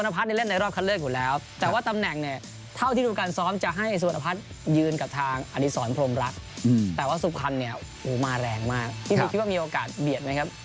พี่พี่คิดว่ามีโอกาสเบียดไหมครับ